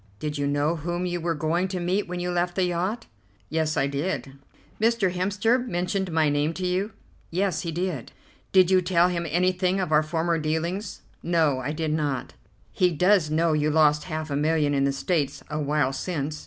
Did you know whom you were going to meet when you left the yacht?" "Yes, I did." "Mr. Hemster mentioned my name to you?" "Yes, he did." "Did you tell him anything of our former dealings?" "No, I did not." "He does know you lost half a million in the States a while since?"